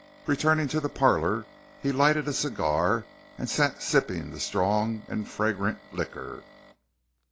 Returning to the parlor, he lighted a cigar and sat sipping the strong and fragrant liquor.